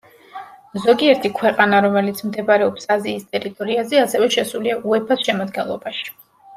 ზოგიერთი ქვეყანა, რომელიც მდებარეობს აზიის ტერიტორიაზე, ასევე შესულია უეფას შემადგენლობაში.